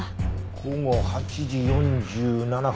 午後８時４７分。